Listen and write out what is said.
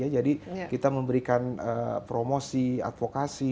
jadi kita memberikan promosi advokasi